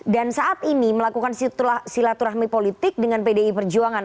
dan saat ini melakukan silaturahmi politik dengan pdi perjuangan